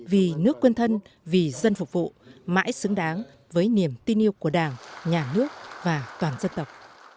vì nước quân thân vì dân phục vụ mãi xứng đáng với niềm tin yêu của đảng nhà nước và toàn dân tộc